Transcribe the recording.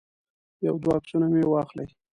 یو دوه عکسونه مې واخلي.